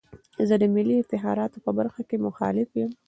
زه د ملي افتخاراتو په برخه کې مخالف یم.